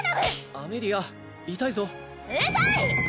アメリア痛いぞうるさい！